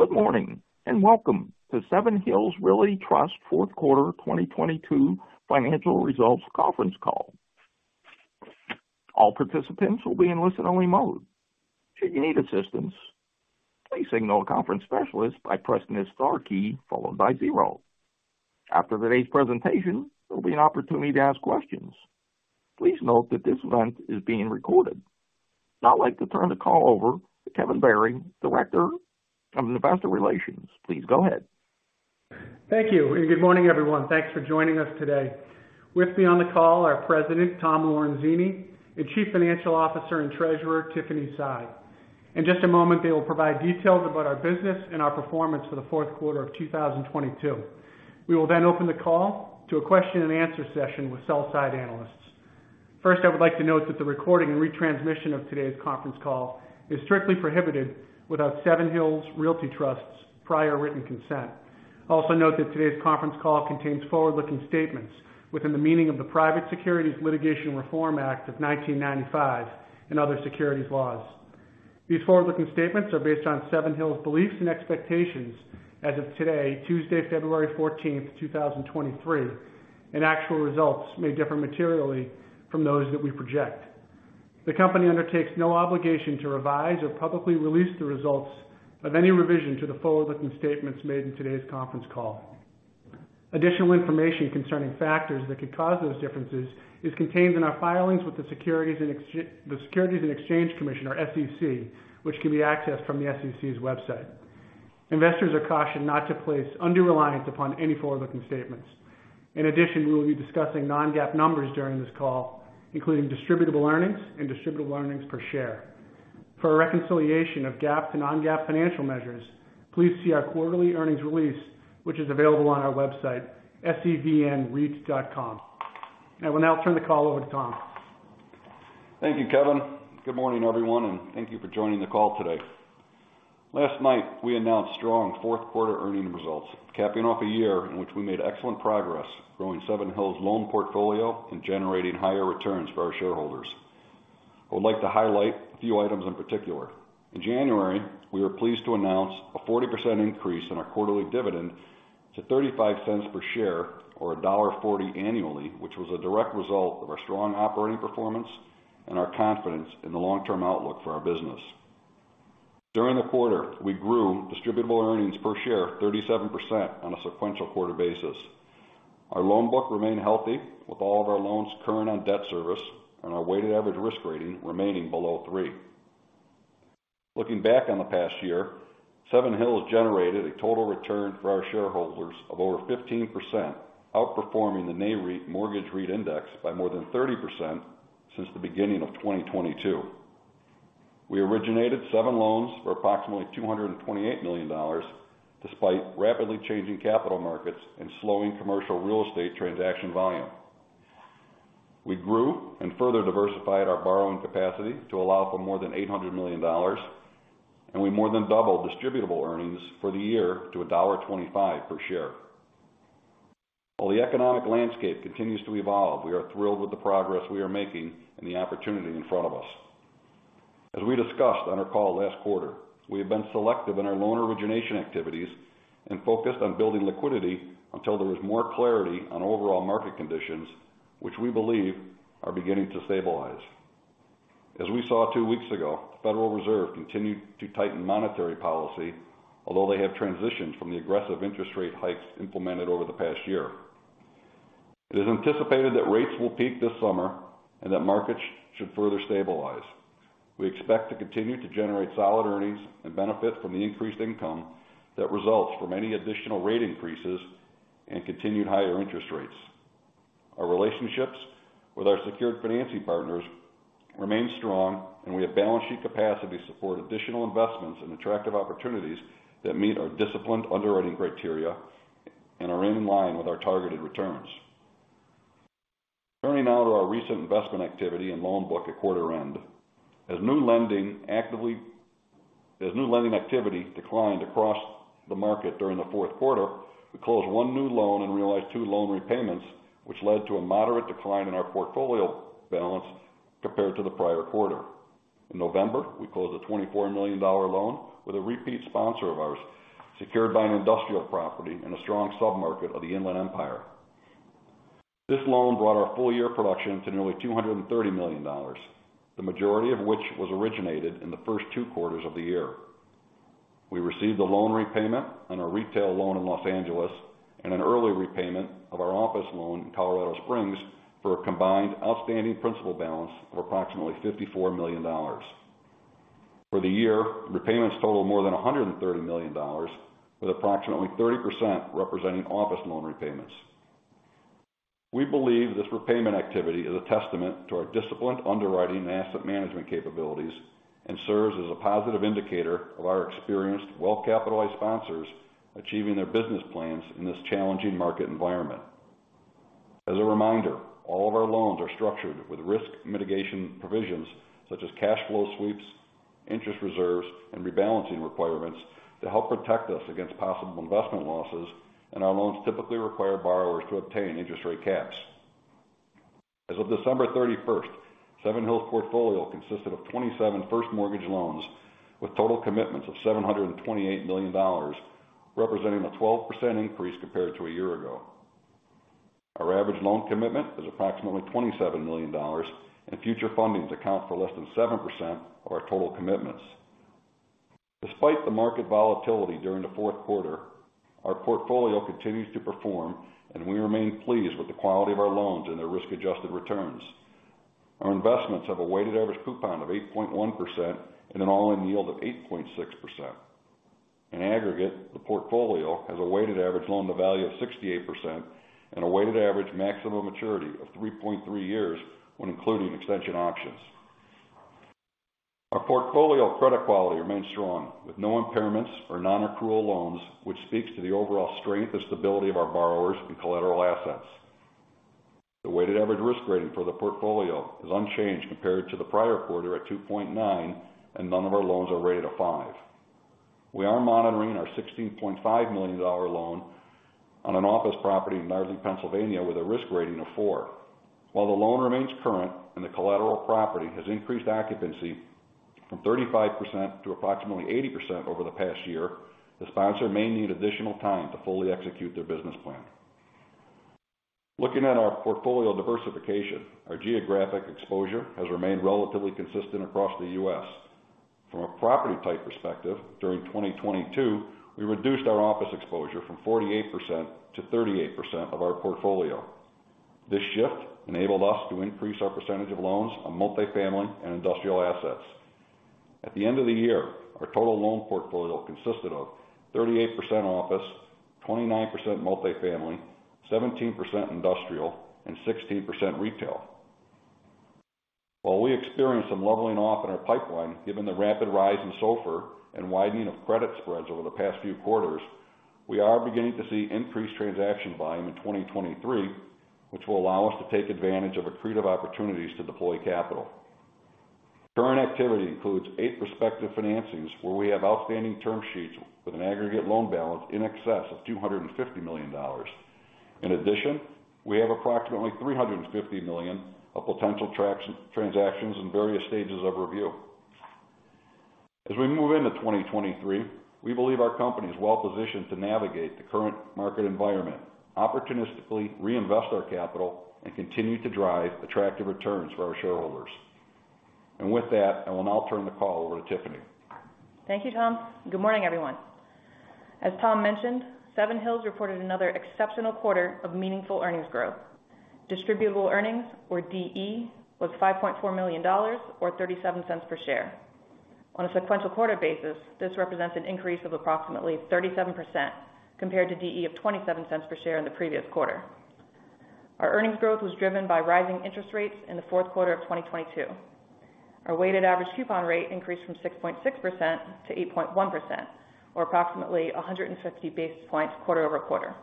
Good morning, welcome to Seven Hills Realty Trust fourth quarter 2022 financial results conference call. All participants will be in listen-only mode. Should you need assistance, please signal a conference specialist by pressing the star key followed by zero. After today's presentation, there'll be an opportunity to ask questions. Please note that this event is being recorded. Now I'd like to turn the call over to Kevin Barry, Director of Investor Relations. Please go ahead. Thank you. Good morning, everyone. Thanks for joining us today. With me on the call are President Tom Lorenzini and Chief Financial Officer and Treasurer Tiffany Sy. In just a moment, they will provide details about our business and our performance for the fourth quarter of 2022. We will open the call to a question and answer session with sell side analysts. First, I would like to note that the recording and retransmission of today's conference call is strictly prohibited without Seven Hills Realty Trust's prior written consent. Also note that today's conference call contains forward-looking statements within the meaning of the Private Securities Litigation Reform Act of 1995 and other securities laws. These forward-looking statements are based on Seven Hills beliefs and expectations as of today, Tuesday, February 14, 2023. Actual results may differ materially from those that we project. The company undertakes no obligation to revise or publicly release the results of any revision to the forward-looking statements made in today's conference call. Additional information concerning factors that could cause those differences is contained in our filings with the Securities and Exchange Commission, or SEC, which can be accessed from the SEC's website. Investors are cautioned not to place undue reliance upon any forward-looking statements. In addition, we will be discussing non-GAAP numbers during this call, including distributable earnings and distributable earnings per share. For a reconciliation of GAAP to non-GAAP financial measures, please see our quarterly earnings release, which is available on our website, sevnreit.com. I will now turn the call over to Tom. Thank you, Kevin. Good morning, everyone, and thank you for joining the call today. Last night, we announced strong fourth quarter earnings results, capping off a year in which we made excellent progress growing Seven Hills' loan portfolio and generating higher returns for our shareholders. I would like to highlight a few items in particular. In January, we were pleased to announce a 40% increase in our quarterly dividend to $0.35 per share, or $1.40 annually, which was a direct result of our strong operating performance and our confidence in the long-term outlook for our business. During the quarter, we grew distributable earnings per share 37% on a sequential quarter basis. Our loan book remained healthy with all of our loans current on debt service and our weighted average risk rating remaining below three. Looking back on the past year, Seven Hills generated a total return for our shareholders of over 15%, outperforming the Nareit Mortgage REIT Index by more than 30% since the beginning of 2022. We originated 7 loans for approximately $228 million despite rapidly changing capital markets and slowing commercial real estate transaction volume. We grew and further diversified our borrowing capacity to allow for more than $800 million, and we more than doubled distributable earnings for the year to $1.25 per share. While the economic landscape continues to evolve, we are thrilled with the progress we are making and the opportunity in front of us. As we discussed on our call last quarter, we have been selective in our loan origination activities and focused on building liquidity until there is more clarity on overall market conditions, which we believe are beginning to stabilize. As we saw 2 weeks ago, Federal Reserve continued to tighten monetary policy, although they have transitioned from the aggressive interest rate hikes implemented over the past year. It is anticipated that rates will peak this summer and that markets should further stabilize. We expect to continue to generate solid earnings and benefit from the increased income that results from any additional rate increases and continued higher interest rates. Our relationships with our secured financing partners remain strong, and we have balance sheet capacity to support additional investments and attractive opportunities that meet our disciplined underwriting criteria and are in line with our targeted returns. Turning now to our recent investment activity and loan book at quarter end. As new lending activity declined across the market during the fourth quarter, we closed one new loan and realized two loan repayments, which led to a moderate decline in our portfolio balance compared to the prior quarter. In November, we closed a $24 million loan with a repeat sponsor of ours, secured by an industrial property in a strong submarket of the Inland Empire. This loan brought our full year production to nearly $230 million, the majority of which was originated in the first two quarters of the year. We received a loan repayment on a retail loan in Los Angeles and an early repayment of our office loan in Colorado Springs for a combined outstanding principal balance of approximately $54 million. For the year, repayments totaled more than $130 million, with approximately 30% representing office loan repayments. We believe this repayment activity is a testament to our disciplined underwriting and asset management capabilities and serves as a positive indicator of our experienced, well-capitalized sponsors achieving their business plans in this challenging market environment. As a reminder, all of our loans are structured with risk mitigation provisions such as cash flow sweeps, interest reserves, and rebalancing requirements to help protect us against possible investment losses. Our loans typically require borrowers to obtain interest rate caps. As of December 31st, Seven Hills' portfolio consisted of 27 first mortgage loans with total commitments of $728 million, representing a 12% increase compared to a year ago. Our average loan commitment is approximately $27 million. Future fundings account for less than 7% of our total commitments. Despite the market volatility during the fourth quarter, our portfolio continues to perform, and we remain pleased with the quality of our loans and their risk-adjusted returns. Our investments have a weighted average coupon of 8.1% and an all-in yield of 8.6%. In aggregate, the portfolio has a weighted average loan-to-value of 68% and a weighted average maximum maturity of 3.3 years when including extension options. Our portfolio credit quality remains strong, with no impairments or non-accrual loans, which speaks to the overall strength and stability of our borrowers and collateral assets. The weighted average risk rating for the portfolio is unchanged compared to the prior quarter at 2.9, and none of our loans are rated a five. We are monitoring our $16.5 million loan on an office property in Narberth, Pennsylvania, with a risk rating of four. While the loan remains current and the collateral property has increased occupancy from 35% to approximately 80% over the past year, the sponsor may need additional time to fully execute their business plan. Looking at our portfolio diversification, our geographic exposure has remained relatively consistent across the U.S. From a property type perspective, during 2022, we reduced our office exposure from 48% to 38% of our portfolio. This shift enabled us to increase our percentage of loans on multifamily and industrial assets. At the end of the year, our total loan portfolio consisted of 38% office, 29% multifamily, 17% industrial, and 16% retail. While we experienced some leveling off in our pipeline, given the rapid rise in SOFR and widening of credit spreads over the past few quarters, we are beginning to see increased transaction volume in 2023, which will allow us to take advantage of accretive opportunities to deploy capital. Current activity includes 8 prospective financings where we have outstanding term sheets with an aggregate loan balance in excess of $250 million. In addition, we have approximately $350 million of potential transactions in various stages of review. As we move into 2023, we believe our company is well positioned to navigate the current market environment, opportunistically reinvest our capital, and continue to drive attractive returns for our shareholders. With that, I will now turn the call over to Tiffany. Thank you, Tom. Good morning, everyone. As Tom mentioned, Seven Hills reported another exceptional quarter of meaningful earnings growth. Distributable earnings, or DE, was $5.4 million, or $0.37 per share. On a sequential quarter basis, this represents an increase of approximately 37% compared to DE of $0.27 per share in the previous quarter. Our earnings growth was driven by rising interest rates in the fourth quarter of 2022. Our weighted average coupon rate increased from 6.6% to 8.1%, or approximately 150 basis points quarter-over-quarter.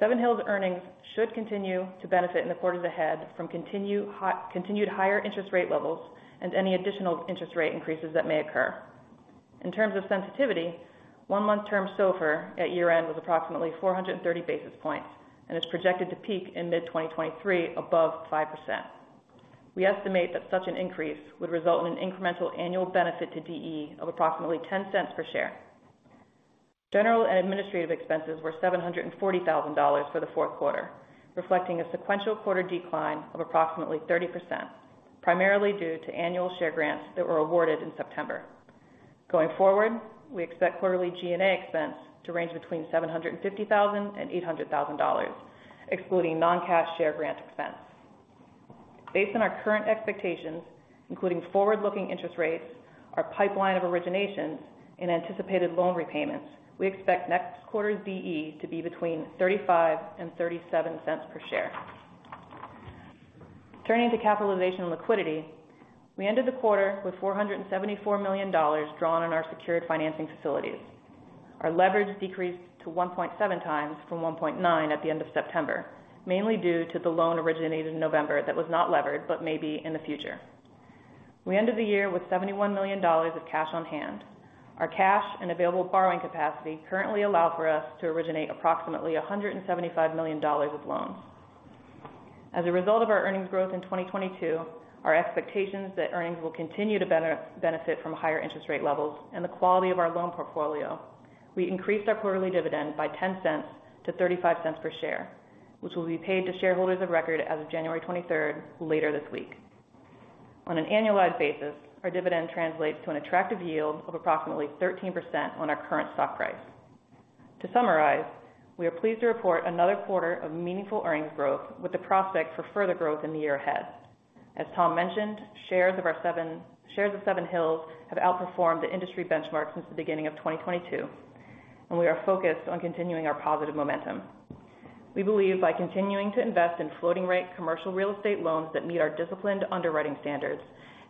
Seven Hills earnings should continue to benefit in the quarters ahead from continued higher interest rate levels and any additional interest rate increases that may occur. In terms of sensitivity, one-month term SOFR at year-end was approximately 430 basis points and is projected to peak in mid-2023 above 5%. We estimate that such an increase would result in an incremental annual benefit to DE of approximately $0.10 per share. General and administrative expenses were $740,000 for the fourth quarter, reflecting a sequential quarter decline of approximately 30%, primarily due to annual share grants that were awarded in September. Going forward, we expect quarterly G&A expense to range between $750,000 and $800,000, excluding non-cash share grant expense. Based on our current expectations, including forward-looking interest rates, our pipeline of originations and anticipated loan repayments, we expect next quarter's DE to be between $0.35 and $0.37 per share. Turning to capitalization liquidity, we ended the quarter with $474 million drawn on our secured financing facilities. Our leverage decreased to 1.7 times from 1.9 at the end of September, mainly due to the loan originated in November that was not levered, but may be in the future. We ended the year with $71 million of cash on hand. Our cash and available borrowing capacity currently allow for us to originate approximately $175 million of loans. As a result of our earnings growth in 2022, our expectations that earnings will continue to benefit from higher interest rate levels and the quality of our loan portfolio, we increased our quarterly dividend by $0.10 to $0.35 per share, which will be paid to shareholders of record as of January 23rd, later this week. On an annualized basis, our dividend translates to an attractive yield of approximately 13% on our current stock price. To summarize, we are pleased to report another quarter of meaningful earnings growth with the prospect for further growth in the year ahead. As Tom mentioned, shares of Seven Hills have outperformed the industry benchmark since the beginning of 2022, and we are focused on continuing our positive momentum. We believe by continuing to invest in floating rate commercial real estate loans that meet our disciplined underwriting standards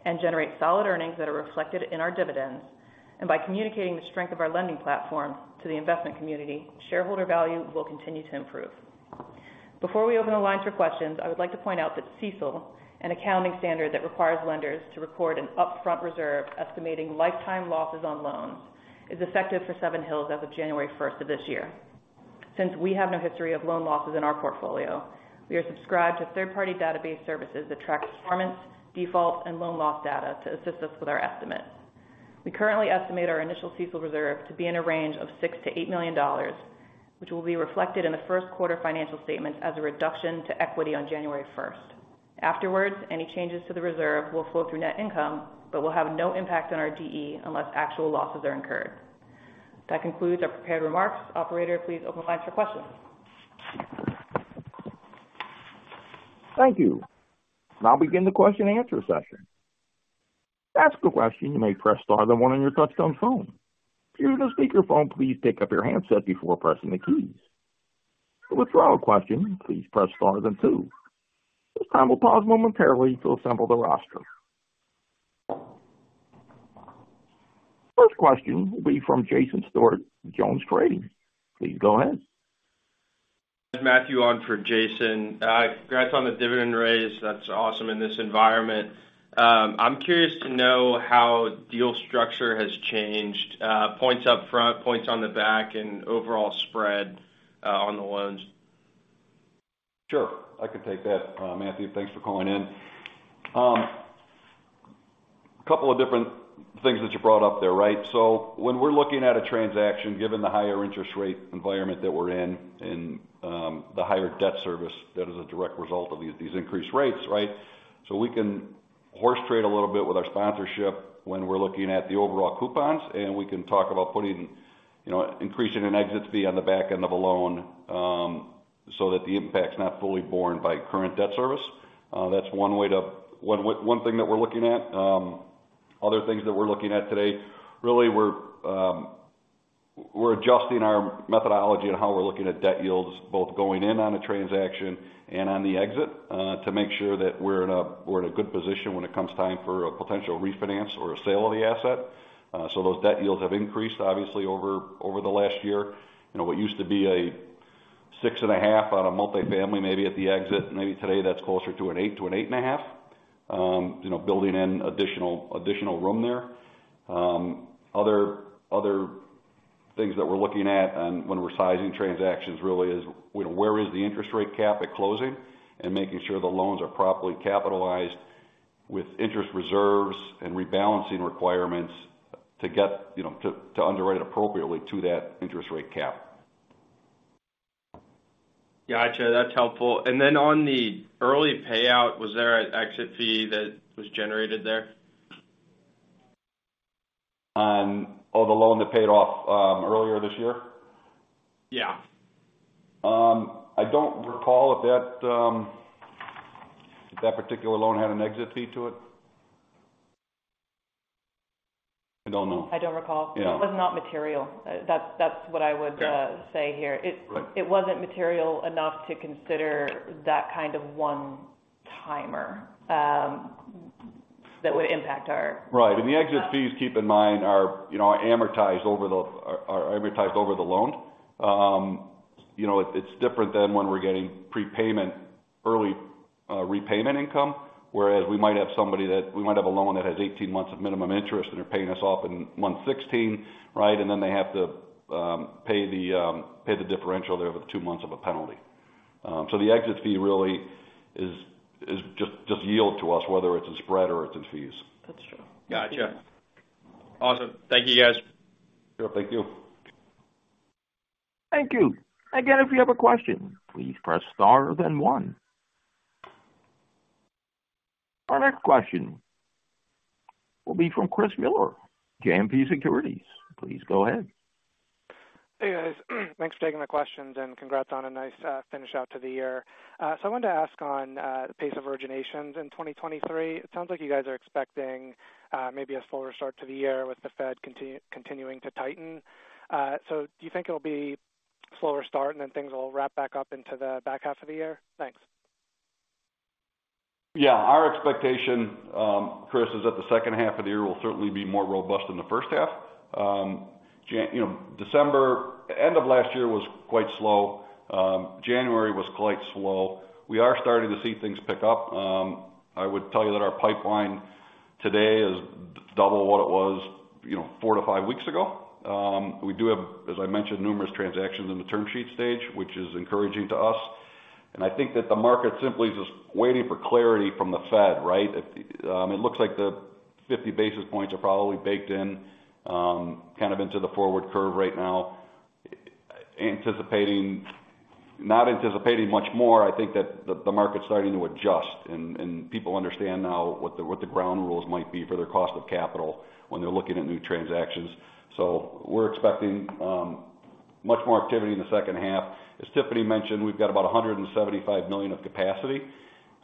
and generate solid earnings that are reflected in our dividends, and by communicating the strength of our lending platform to the investment community, shareholder value will continue to improve. Before we open the line for questions, I would like to point out that CECL, an accounting standard that requires lenders to report an upfront reserve estimating lifetime losses on loans, is effective for Seven Hills as of January first of this year. Since we have no history of loan losses in our portfolio, we are subscribed to third-party database services that track performance, default, and loan loss data to assist us with our estimate. We currently estimate our initial CECL reserve to be in a range of $6 million-$8 million, which will be reflected in the first quarter financial statement as a reduction to equity on January first. Afterwards, any changes to the reserve will flow through net income but will have no impact on our DE unless actual losses are incurred. That concludes our prepared remarks. Operator, please open the lines for questions. Thank you. I'll begin the question and answer session. To ask a question, you may press star then 1 on your touchtone phone. If you're using a speakerphone, please pick up your handset before pressing the keys. To withdraw a question, please press star then 2. At this time, we'll pause momentarily to assemble the roster. First question will be from Jason Stewart, Jones Trading. Please go ahead. Matthew on for Jason. Congrats on the dividend raise. That's awesome in this environment. I'm curious to know how deal structure has changed, points up front, points on the back and overall spread on the loans. Sure. I could take that. Matthew, thanks for calling in. Couple of different things that you brought up there, right? When we're looking at a transaction, given the higher interest rate environment that we're in and the higher debt service that is a direct result of these increased rates, right? We can horse trade a little bit with our sponsorship when we're looking at the overall coupons, and we can talk about putting, you know, increasing an exit fee on the back end of a loan, so that the impact's not fully borne by current debt service. That's one thing that we're looking at. Other things that we're looking at today, really we're adjusting our methodology on how we're looking at debt yields, both going in on a transaction and on the exit, to make sure that we're in a good position when it comes time for a potential refinance or a sale of the asset. Those debt yields have increased obviously over the last year. You know, what used to be a 6.5 on a multifamily, maybe at the exit, maybe today that's closer to an 8-8.5, building in additional room there. Other, other things that we're looking at when we're sizing transactions really is, you know, where is the interest rate cap at closing and making sure the loans are properly capitalized with interest reserves and rebalancing requirements to get, you know, to underwrite it appropriately to that interest rate cap. Gotcha. That's helpful. Then on the early payout, was there an exit fee that was generated there? On the loan that paid off, earlier this year? Yeah. I don't recall if that, if that particular loan had an exit fee to it. I don't know. I don't recall. Yeah. It was not material. That's what I would- Yeah. say here. Right. It wasn't material enough to consider that one-timer, that would impact. Right. The exit fees, keep in mind are, you know, amortized over the loan. You know, it's different than when we're getting prepayment early repayment income, whereas we might have a loan that has 18 months of minimum interest and they're paying us off in month 16, right? They have to pay the differential there with 2 months of a penalty. The exit fee really is just yield to us, whether it's in spread or it's in fees. That's true. Gotcha. Awesome. Thank you, guys. Sure. Thank you. Thank you. Again, if you have a question, please press star then one. Our next question will be from Chris Muller, JMP Securities. Please go ahead. Hey, guys. Thanks for taking my questions. Congrats on a nice finish out to the year. I wanted to ask on the pace of originations in 2023. It sounds like you guys are expecting maybe a slower start to the year with the Fed continuing to tighten. Do you think it'll be slower start and then things will wrap back up into the back half of the year? Thanks. Yeah. Our expectation, Chris, is that the second half of the year will certainly be more robust than the first half. You know, December, end of last year was quite slow. January was quite slow. We are starting to see things pick up. I would tell you that our pipeline today is double what it was, you know, 4 to 5 weeks ago. We do have, as I mentioned, numerous transactions in the term sheet stage, which is encouraging to us. I think that the market simply is just waiting for clarity from the Fed, right? It looks like the 50 basis points are probably baked in, kind of into the forward curve right now. Not anticipating much more, I think that the market's starting to adjust and people understand now what the ground rules might be for their cost of capital when they're looking at new transactions. We're expecting much more activity in the second half. As Tiffany mentioned, we've got about $175 million of capacity.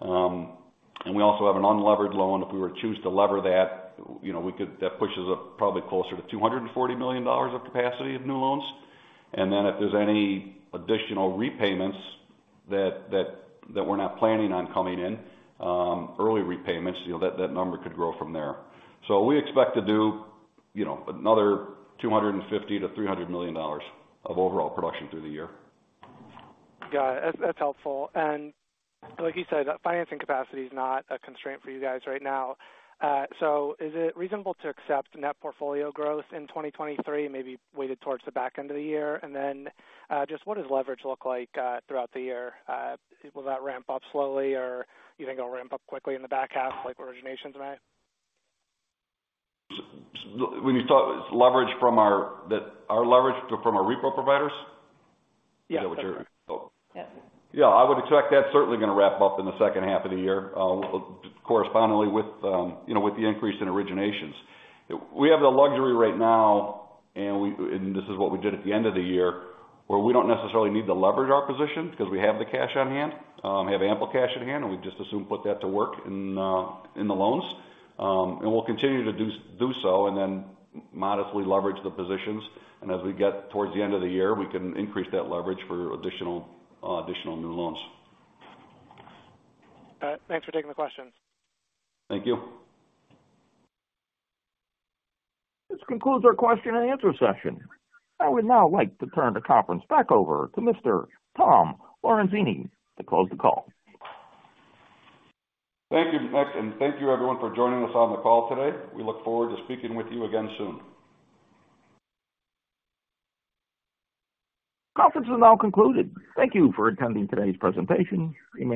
We also have an unlevered loan. If we were to choose to lever that, you know, that pushes it probably closer to $240 million of capacity of new loans. If there's any additional repayments that we're not planning on coming in, early repayments, you know, that number could grow from there. We expect to do, you know, another $250 million-$300 million of overall production through the year. Got it. That's, that's helpful. Like you said, financing capacity is not a constraint for you guys right now. Is it reasonable to accept net portfolio growth in 2023, maybe weighted towards the back end of the year? Then, just what does leverage look like throughout the year? Will that ramp up slowly or you think it'll ramp up quickly in the back half like originations might? When you talk leverage from our leverage from our repo providers? Yeah. Is that what you're... Yeah. Yeah, I would expect that's certainly gonna ramp up in the second half of the year, correspondingly with, you know, with the increase in originations. We have the luxury right now, and this is what we did at the end of the year, where we don't necessarily need to leverage our position because we have the cash on hand. We have ample cash on hand, and we just as soon put that to work in the loans. We'll continue to do so and then modestly leverage the positions. As we get towards the end of the year, we can increase that leverage for additional new loans. Thanks for taking the questions. Thank you. This concludes our question and answer session. I would now like to turn the conference back over to Mr. Tom Lorenzini to close the call. Thank you, Nick. Thank you everyone for joining us on the call today. We look forward to speaking with you again soon. Conference is now concluded. Thank you for attending today's presentation. You may.